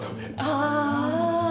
ああ。